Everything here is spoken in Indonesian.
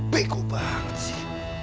bego banget sih